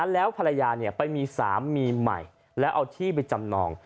แล้วภรรยาไปมีสามีใหม่แล้วเอาที่ไปจำนอง